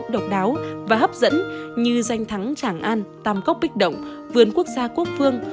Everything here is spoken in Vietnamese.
độc đáo và hấp dẫn như danh thắng tràng an tam cốc bích động vườn quốc gia quốc phương